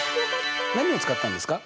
何を使ったんですか？